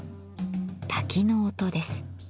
滝の音です。